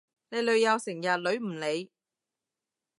你女友成日女唔你？